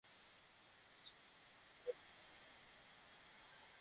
এর পেছনে কী গল্প আছে তাও আমি জানি না।